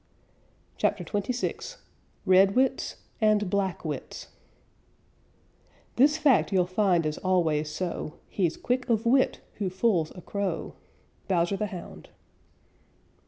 CHAPTER XXVI RED WITS AND BLACK WITS This fact you'll find is always so: He's quick of wit who fools a Crow. _Bowser the Hound.